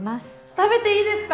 食べていいですか？